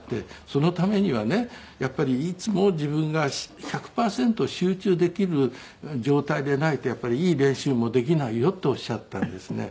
「そのためにはねやっぱりいつも自分が１００パーセント集中できる状態でないとやっぱりいい練習もできないよ」っておっしゃったんですね。